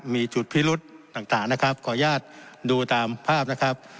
มีจุดพิรุษต่างนะครับขออนุญาตดูตามภาพนะครับ